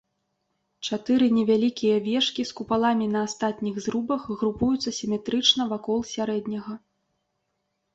Чатыры невялікія вежкі з купаламі на астатніх зрубах групуюцца сіметрычна вакол сярэдняга.